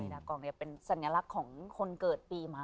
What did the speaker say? ช่วยดากองเนี่ยเป็นสัญลักษณ์ของคนเกิดปีมาค่ะ